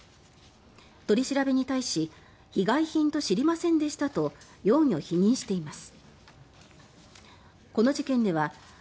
取り調べに対し被害品と知りませんでしたと容疑を否認しています。